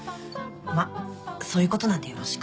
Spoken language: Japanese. まっそういうことなんでよろしく。